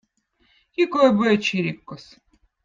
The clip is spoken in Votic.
Kiko eb õõ čirkkõz